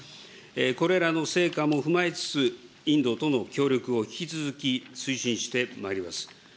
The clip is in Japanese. これらの成果も踏まえつつ、インドとの協力を引き続き、推進してまいります。